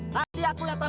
nanti aku datang